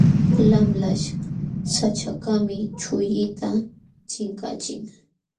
Lamlaśh saćhakaqmi chullita chinkachin.